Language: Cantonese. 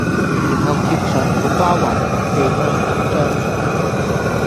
然後貼上土瓜灣麥記香燭張相